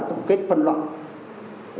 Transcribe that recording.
có một kết phân lọc